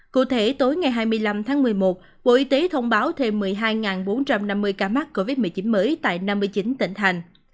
cụ thể tối ngày hai mươi năm tháng một mươi một bộ y tế thông báo thêm một mươi hai bốn trăm năm mươi ca mắc covid một mươi chín mới tại năm mươi chín tỉnh thành